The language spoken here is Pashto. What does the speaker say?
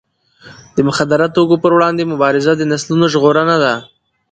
د مخدره توکو پر وړاندې مبارزه د نسلونو ژغورنه ده.